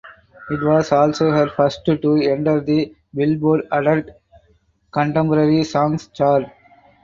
It was also her first to enter the "Billboard" adult contemporary songs chart.